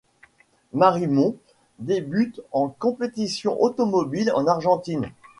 Marimón débute en compétition automobile en Argentine.